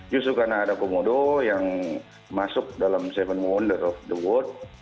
justru karena ada komodo yang masuk dalam tujuh wonder of the world